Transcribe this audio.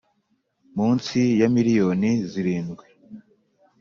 munsi ya miliyoni zirindwi